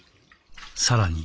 さらに。